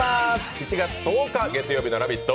７月１０日月曜日の「ラヴィット！」